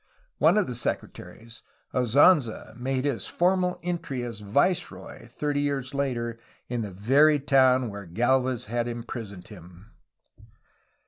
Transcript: One of the secretaries, Azanza, made his formal entry as viceroy, thirty years later, in the very town where Gdlvez had im prisoned him.